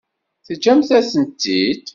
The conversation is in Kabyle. Teǧǧamt-asent-tt-id?